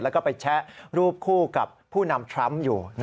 แล้วก็ไปแชะรูปคู่กับผู้นำทรัมป์อยู่